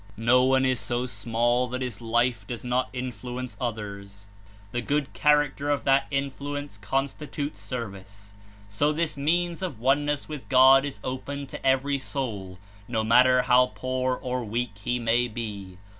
No one is so small that his life does not influence others. The good character of that Influence constitutes service. So this means of oneness with God is open to every soul, no matter how poor or weak he may be.